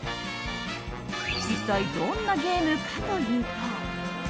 一体どんなゲームかというと。